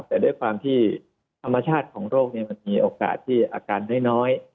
แต่ด้วยความที่ธรรมชาติของโรคมันมีโอกาสที่อาการน้อย